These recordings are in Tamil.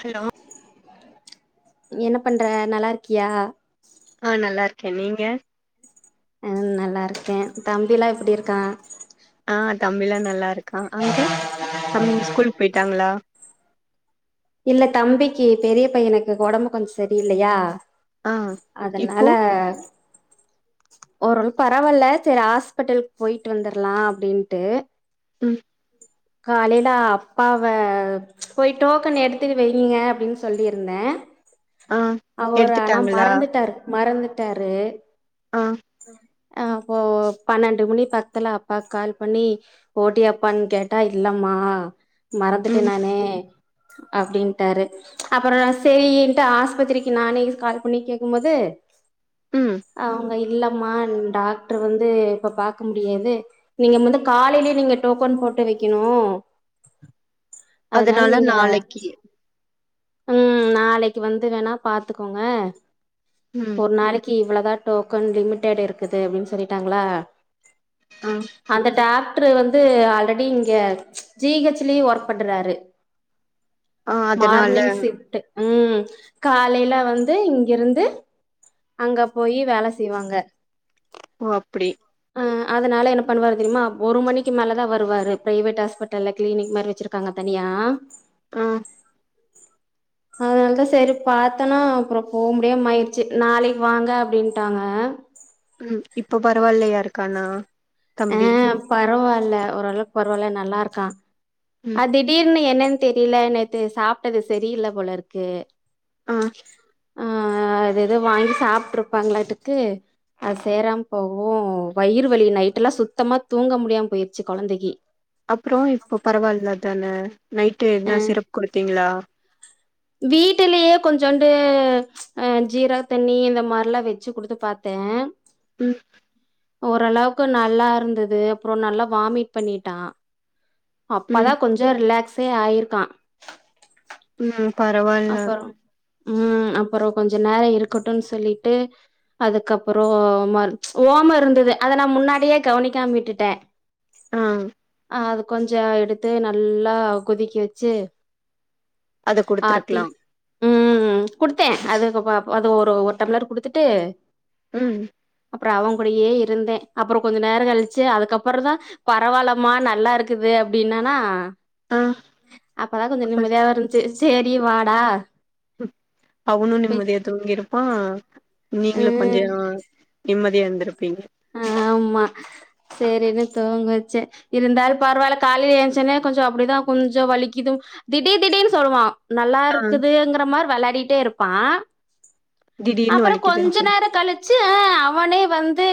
ஹலோ என்ன பண்ற நல்லா இருக்கியா ஆ நல்லா இருக்கே நீங்க ம் நல்லா இருக்கே தம்பிலா எப்டி இருக்கா ஆ தம்பிலா நல்லா இருக்கா அங்க தம்பிங்க ஸ்கூல்க் போய்ட்டாங்களா இல்ல தம்பிக்கு பெரிய பையனுக்கு ஒடம்பு கொஞ்சோ சரியில்லையா ஆ அதனால இப்போ ஒரளவு பரவால்ல சேர் ஹாஸ்பெட்டலுக் போய்ட்டு வந்தர்லா அப்டின்ட்டு ம் காலைல அப்பாவ போய் டோ க்கன் எடுத்து வைங்க அப்டின் சொல்லிருந்த ஆ அவரு ஆனா எடுத்துட்டாங்களா மறந்துட்டார் மறந்துட்டாரு ஆ அ அப்போ பன்னெண்டு மணி பத்தல அப்பாக்கு கால் பண்ணி போட்டியாப்பான் கேட்டா இல்லம்மா தா மறந்துட்ட ம் நானு அப்டின்ட்டாரு அப்பறோ செரின்ட்டு ஆஸ்பத்திரிக்கு நானே கால் பண்ணி கேக்கும்போது ம் அவங்க இல்ல மா டாக்டர் வந்து இப்ப பாக்க முடியாது நீங்க மொது காலைலியே நீங்க டோக்கன் போட்டு வெ க்கணு அதனால நீ நாளைக்கு ம் நாளைக்கு வந்து வேணா பாத்துக்கோங்க ம் ஒரு நாளைக்கு இவள டோக்கன் லிமிடெடு இருக்குது அப்டின் சொல்லிட்டாங்களா ஆ அந்த டாக் ட்ரு வந்து ஆல்ரெடி இங்க ஜி ஹெச் லையு ஒர்க் பண்றாரு ஆ அதனால மார்னிங் ஸிஃப்ட்டு ம் காலைல வந்து இங்கிருந்து அங்க போயி வேல செய்வாங்க ஓ அப்புடி அ அதனால என்ன பண்ணுவாரு தெரிமா ஒரு மணிக்கு மேல தா வருவாரு பிரைவேட் ஹாஸ்பிட்டல்ல கிளினிக் மாரி வச்சிருக்காங்க தனியா ஆ அதனாலதா சரி பாத்தனா அப்றோ போ முடியாம ஆயிடுச்சு நாளைக்கு வாங்க அப்டின்ட்டாங்க ம் இப்ப பரவால்லையா இருக்கானா ஆ தம்பி பரவால்ல ஓரளவுக்கு பரவால நல்லாருக்கா ம் அ திடீர்னு என்ன ன் தெரில நேத்து சாப்ட்டது சரியில்ல போலருக்கு ஆ ஆ அதேதோ வாங்கி சாப்ட்ருப்பாங்களாட்ருக்கு அது சேராம போகவு வயிறு வலி நை ட்டலா சுத்தமா தூங்க முடியாம போயிருச்சு கொழந்தைக்கு அப்புற இப்போ பரவால்ல தான நைட்டு என்ன சிரப் குடுத்திங்களா வீட்டுலியே கொஞ்சோண்டு அ ஜீரக் தண்ணி இந்த மாரிலா வெச்சு குடுத்து பாத்தே ஏ ம் ஓரளவுக்கு நல்லா இருந்தது அப்றோ நல்லா வாமிட் பண்ணிட்டா அப்ப தா ம் கொஞ்சோ ரிலாக்ஸே ஆயிருக்கா ம் பரவாயில்ல அப்பறோ ம் அப்புறோ கொஞ்ச நேர இருக்கட்டுன் சொல்லிட்டு அதுக்கப்பறோம ஓம இருந்தது அத நா முன்னாடியே கவனிக்காம விட்டுட்ட ஆ அத கொஞ்ச எடுத்து நல்லா கொதிக்க வச்சு அத ஆத்தி குடுத்துருக்கலா ம் குடுத்த அதுகப ப அது ஒரு ஒரு டம்ளரு குடுத்துட்டு ம் அப்பற அவங்கூடயே இருந்தே அப்பற கொஞ்ச நேரோ கழிச்சு அதுக்கப்பற தா பரவாயில்லமா நல்லா இருக்குது அப்டின்னானா ஆ அப்பதா கொஞ்ச அப்ப நிம்மதியா இருந்துச்சு சேரி வாடா அவனு போய் நிம்மதியா தூங்கியிருப்பா நீங்களு கொஞ்ச ம் நிம்மதியா இருந்திருப்பீங்க ஆமா சேரினு தூங்க வச்சே இருந்தாலு பரவால்ல காலையில ஏந்திச்சன்னே கொஞ்ச அப்டிதா கொஞ்ச வலிக்குதுனு திடீ திடீனு சொல்லுவா நல்லா ஆ இருக்குதுங்கிற மாரி வெளையாடிட்டே இருப்பா திடீர்னு அப்பற வலிக்குதுன்னு கொஞ்ச சொல்லு நேர கழிச்சு ஆ அவனே வந்து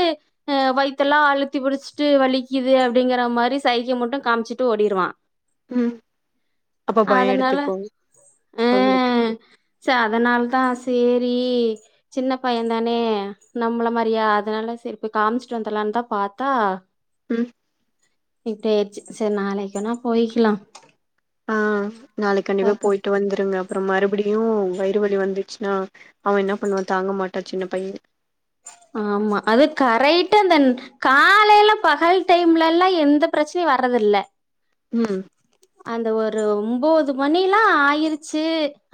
அ வயத்தெல்லா அழுத்தி புடிச்சிட்டு வலிக்குது அப்டிங்கிற மாரி சைகை மட்டு காமிச்சுட்டு ஓடிருடுவா ம் அப்ப பயோ எடுத்துக்கு ஆ அவங்களுக்கு ச அதனால தா சேரி சின்ன பையன் தானே நம்மள மாரியா அதனால செரி போய் காமிச்சிட்டு வந்தரலானு தா பாத்தா ம் இருட்டயச்சு செரி நாளைக்குனா போயிக்கலா ஆ நாளைக்கி கண்டிப்பா போயிட்டு வந்துருங்க அப்புற மறுபடியு வயிறு வலி வந்து ச்சுன்னா அவ என்ன பண்ணுவா தாங்க மாட்டா சின்ன பைய ஆமா அது கரெக்டா அந்த காலையில பகல் டைம்ல எல்லா எந்த பிரச்சனையு வர்றதில்ல ம் அந்த ஒரு ஒம்போது மணில்லா ஆயிருச்சு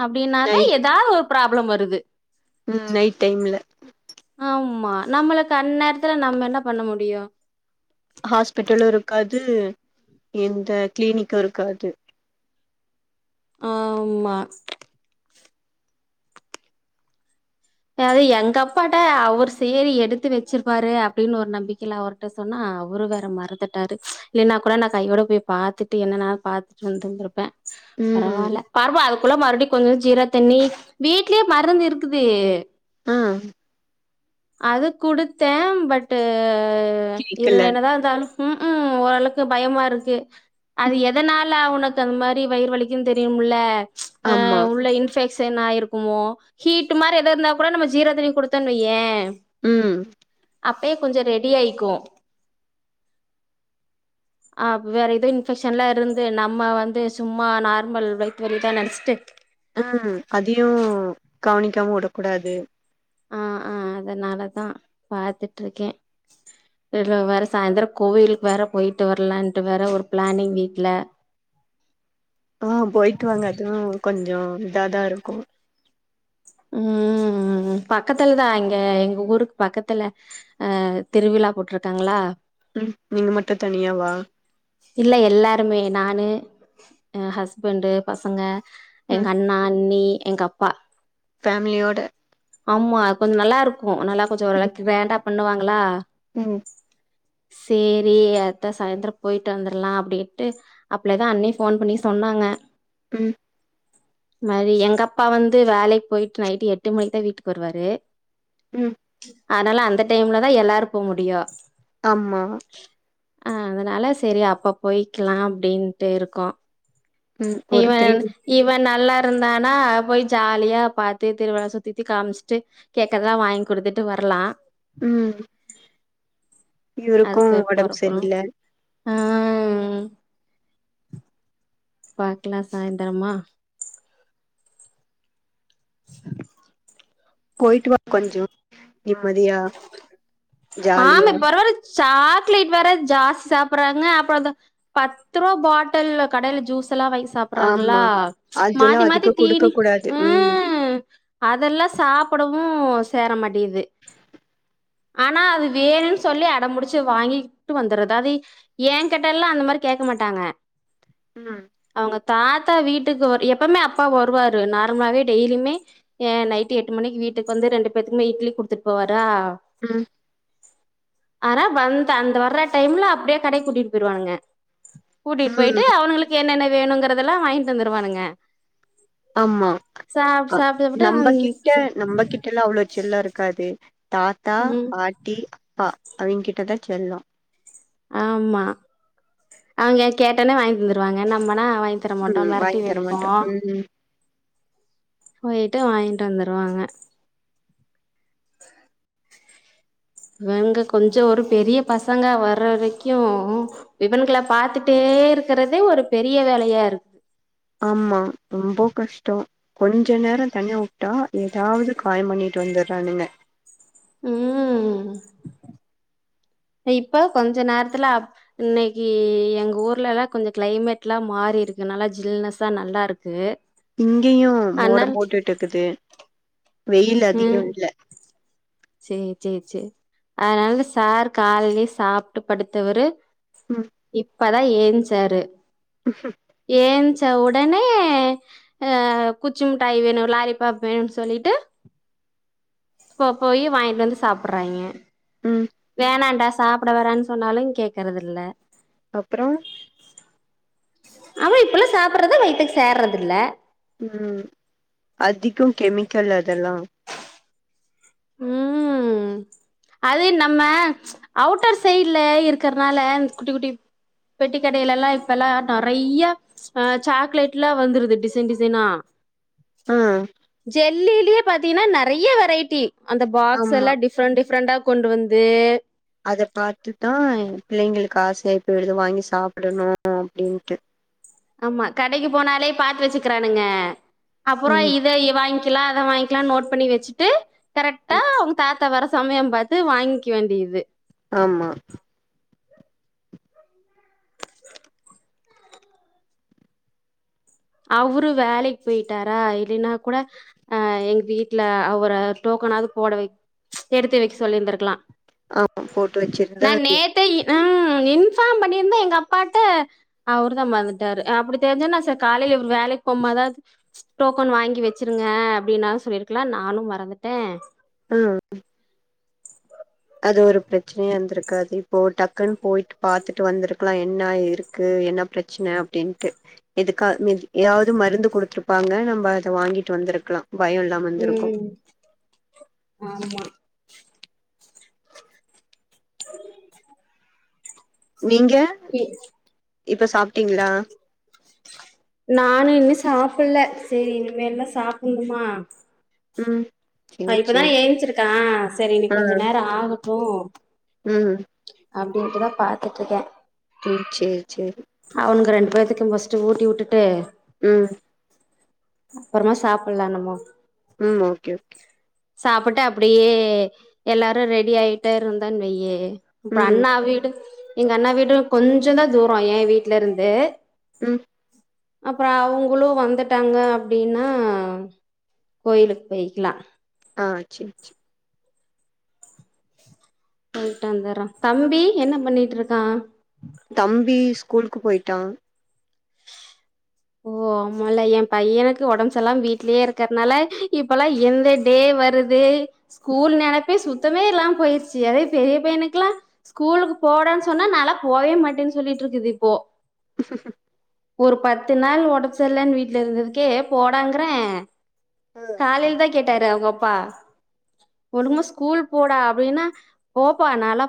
அப்டின்னாதா நைட் ஏதாவது ஒரு ப்ராப்ளம் வருது ம் நைட் டைம்ல ஆமா நம்மளுக்கு அந்நேரத்துல நம்ம என்ன பண்ண முடியு ஹாஸ்பிட்டலு இருக்காது இந்த கிளினிக்கு இருக்காது ஆமா அதே எங்க அப்பாட்ட அவுர் சேரி எடுத்து வச்சிருப்பாரு அப்டின்னு ஒரு நம்பிக்கையில அவர்ட்ட சொன்னா அவரு வேற மறந்துட்டாரு இல்லனா கூட நா கையோட போய் பாத்துட்டு என்னன்னா பாத்துட்டு வந்துருந்திருப்ப ம் பரவால்ல பர்வா அதுக்குள்ள மறுபடி கொஞ்ச ஜீரா தண்ணி வீட்லயே மருந்து இருக்குது ம் அது குடுத்தே பட் இரு கேக்கல என்னதா இருந்தாலு ம்ஹும் ஓரளக்கு பயமா இருக்கு அது எதனால அவனுக்கு அந்த மாரி வயிறு வலிக்குன்னு தெரியும்ல ஆமா சே என்னாயிருக்குமோ ஹீட் மாரி ஏதோ இருந்தா கூட நம்ம ஜீரா தண்ணி குடுத்தோன்னு வையே ம் அப்யே கொஞ்சோ ரெடி ஆயிக்கு ஆ வேற ஏதோ இன்ஃபெக்ஷன் எல்லா இருந்து நம்ம வந்து சும்மா நார்மல் வயித்து வலிதா நெனச்சிட்டு ஆ அதையு கவனிக்காம வுடக்கூடாது ஆ ஆ அதனாலதா பாத்துட்டு இருக்கே இதுல வேற சாயந்தர கோவிலுக்கு வேற போயிட்டு வரலான்ட்டு வேற ஒரு பிளானிங் வீட்ல [inaudible] ஆ போயிட்டு வாங்க அதுவு கொஞ்சோ இதாதா இருக்கு ம் பக்கத்துல தா இங்க எங்க ஊருக்கு பக்கத்துல அ திருவி ழா போட்ருக்காங்களா ம் நீங்க மட்டு தனியாவா இல்ல எல்லாருமே நானு அ ஹஸ்பண்டு பசங்க ம் எங்க அண்ணா அண்ணி எங்க அப்பா ஃபேமிலியோட ஆமா கொஞ்சோ நல்லா இருக்கு நல்லா கொஞ்சோ ஒரு அளவுக்கு கிராண்டா பண்ணுவாங்களா ம் சேரி அத்த சாய்ந்தரோ போயிட்டு வந்தர்லா அப்டின்ட்டு அப்ளேதா அண்ணி ஃபோன் பண்ணி சொன்னாங்க ம் மாரி எங்க அப்பா வந்து வேலைக் போய்ட்டு நைட்டு எட்டு மணிக்கு தா வீட்டுக்கு வருவாரு ம் அதனால அந்த டைம்ல தா எல்லாரு போ முடியு ஆமா அ அதனால சேரி அப்ப போயிக்கலா அப்டின்ட்டு இருக்கோ ம் ஒரு இவ த்ரீ இவ நல்லா இருந்தானா போய் ஜாலியா பாத்து திருவிழா சுத்தித்தி காமிச்சுட்டு கேக்கறதல்லா வாங்கி குடு த்துட்டு வரலா ம் இவுருக்கு ஒடம்பு செரியில்ல அ அ ம் பாக்குலா சாய்ந்தரமா போயிட்டு வா கொஞ்சோ நிம்மதியா ஆமா ஜாலியா இப்ப வர வர சாக்லைட் வேற ஜாஸ்தி சாப்றாங்க அப்றோ அந்த பத்து ரூபா பாட்டல்லு கடையில ஜூஸ் ளா வாங்கி சாப்றாங்களா ஆமா அதெல்லா மாத்தி மாத்தி அதிக குடுக்க தீனி கூடாது ம் அதெல்லா சாப்டவு சேர மாட்டிது ஆனா அது வேணுன்னு சொல்லி அடம் புடிச்சு வாங்கிட்டு வந்தறது அத ஏன் கேட்டெல்லா அந்த மாரி கேக்க மாட்டாங்க ம் அவுங்க தாத்தா வீட்டுக்கு வரு எப்பமே அப்பா வருவாரு நார்மலாவே டெய்லியுமே எ நைட்டு எட்டு மணிக்கி வி ட்டுக்கு வந்து ரெண்டு பேத்துக்குமே இட்லி குடுத்துட்டு போவாரா ம் ஆரா வந்த அந்த வர்ற டைம்ல அப்டியே கடைக்கு கூட்டிட்டு போய்டுவானுங்க கூட்டிட்டு போயிட்டு ம் அவனுங்களுக்கு என்னென்ன வேணுங்கறதெல்லா வாங்கிட்டு வந்துருவானுங்க ஆமா சாப்ட்டு அ சாப்ட்டு சாப்ட்டு நம்ப ம் கிட்ட சே நம்ப கிட்டெல்லா அவ்ளோ செல்லோ இருக்காது தாத்தா ம் பாட்டி அப்பா அவுங் கிட்டதா செல்லோ ஆமா அவுங்க கேட்டோனே வாங்கி தந்துருவாங்க நம்மனா வாங்தரமாட்டோ ம் மெரட்டி வாங்கி வெப்போ தரமாட்டோ ம் போயிட்டு வாங்கிட்டு வந்துருவாங்க இவங்க கொஞ்சோ ஒரு பெரிய பசங்கா வற வரைக்கு இவன்கள பாத்துட்டே இருக்கறதே ஒரு பெரிய வேலயா இருக்குது ஆமா ரொம்போ கஷ்டோ கொஞ்சோ நேரோ தனிய விட்டா ஏதாவது காயோ பண்ணிட்டு வந்துறானுங்க ம் இப்ப கொஞ்ச நேரத்துல அப் இன்னிக்கு எங்க ஊர்லலா கொஞ்சோ கிளைமேட்லா மாரி இருக்கு நல்லா ஜில்னஸ்ஸா நல்லாருக்கு இங்கெயு மோடம் போட்டுட்டு இக்குது வெயில் அதிகோ ம் இல்ல சேரி சேரி சேரி அதனால சார் கால்லயே சாப்ட்டு படுத்தவரு ம் இப்பதா ஏஞ்ச்சாரு ஏஞ்ச உடனே அ குச்சி முட்டாய் வேணு லாலிபாப் வேணுனு சொல்லிட்டு போயி வாங்கிட்டு வந்து சாப்பட்றாய்ங்க ம் வேணாடா சாப்ட வேனான்னு சொன்னாலு கேக்குறது இல்ல அப்றோ அவ இப்ட்லா சாப்பட்றத வயித்துக்கு சேர்றது இல்ல ம் அதிக கெமிக்கல் அதெல்லா ம் அது நம்ப அவுட்டர் சைட்ல இருக்கறனால குட்டி குட்டி பெட்டிக்கடையிலலா இப்பெல்லா நெறையா ஆ சாக்லேட்லா வந்துருது டிசைன் டிசைனா ஆ ஜெல்லிலே பாத்தீங்கன்னா நெறையா வெரைட்டி அந்த பாக்ஸ் ஆமா எல்லா டிஃப்ரெண்ட் டிஃப்ரெண்டா கொண்டு வந்து அத பாத்துதா பிள்ளைங்களுக்கு ஆச இப்போ இத வாங்கி சாப்டனு அப்டின்ட்டு ஆமா கடைக்கு போனாலே பாத்து வச்சுக்கறானுங்க அப்றோ ம் இத வாங்கி லா அத வாங்கிலானு நோட் பண்ணி வச்சிட்டு கரெட்டா அவங்க தாத் தா வர சமயோ பாத்து வாங்கிக்க வேண்டியது ஆமா அவுரு வேலைக்கு பொயிட்டாரா இல்லைன்னா குட அ எங்க வீட்ல அவர டோக் கனாது போட வைக் எடுத்து வைக்க சொல்லிருந்துருக்லா ஆமா போட்டு வச்சிருந்தா இ ம் இன்ஃபார்ம் பண்ணிருந்தா எங்க அப்பாட்ட அவுரு தா மறந்துடாரு அப்டி தெரிஞ்சா காலைல இவுரு வேலைக்கு போம்போதாது டோக்கன் வாங்கி வெச்சிருங்க அப்டின்னாலு சொல்லிருக்கலா நானும் மறந் ட்டே ஆ அது ஒரு பிரச்சனையா இருந்துருக் காது இப்போ டக்குன்னு போயிட்டு பாத்துட்டு வந்துருக்கலா என்னா இருக்கு என்னா பிரச்சன அப்டின்ட்டு எதுக்கா எதாது மருந்து குடுத்துருப்பாங்க நம்ப அத வாங்கிட்டு வந்துருக்கலா ம் ஆமா நீங்க [unintelligible] இப்ப சாப்டீங்களா நானு இன்னு சாப்பில்ல செரி இனிமேல் தா [unintelligible] ம் சேரி இப்பதா சேரி ஏஞ்சிருக்கா செரி இன்னிக் ஆ கொஞ்ச நேரோ ஆகட்டு ம் அப்டின்ட்டுதா பாத்துட்ருக்கே ம் சேரி சேரி அவுனுங்க ரெண்டு பேத்துக்கு ஃபர்ஸ்ட்டு ஊட்டி வுட்டுட்டு ம் அப்றமா சாப்பெல்லா நம்ப ம் ஓகே ஓகே சாப்ட்டு அப்டியே எல்லாரு ரெடி ஆயிட்டே இருந்தோனு வையி இப்ப ம் அண்ணா வீடு எங்க அண்ணா வீடு கொஞ்சோ தா தூரோ ஏ வீட்லருந்து ம் அப்றோ அவுங்குளு வந்துட்டாங்க அப்டினா கோயிலுக்கு போயிக்கலா ஆ செர் செரி. போயிட்டு வந்துட்றே தம்பி என்ன பண்ணிட்டு இருக்கா. தம்பி ஸ்கூலுக்கு போயிட்டான். ஓ ஆமால என் பையனுக்கு ஒடம்பு செரியில்லாம வீடலயே இருக்கறனால இப்பல்லா எந்த டே வருது ஸ்கூல் நெனைப்பே சுத்தமே இல்லாமா போயிருச்சி அதே பெரிய பையனுக்கெல்லா ஸ்கூலுக் போடான் சொன்னா நான்லா போவே மாட்டேன்னு சொல்லிட்டு இருக்குது இப்போ ஒரு பத்து நாள் ஒடம் செரியில்லன்னு வீட்டு்ல இருந்ததுக்கே போடாங்குறே ம் காலையில்தாக் கேட்டாரு அவுங்க அப்பா ஒழுகா ஸ்கூல் போடா அப்டின்னா போப்பா நான்லா